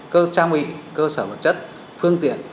cơ trang bị cơ sở vật chất phương tiện